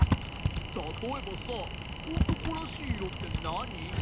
たとえばさおとこらしいいろってなに？